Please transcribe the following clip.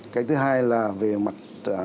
cái thứ hai là về mặt